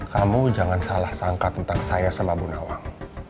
kamu jangan salah sangka tentang saya sama bu nawang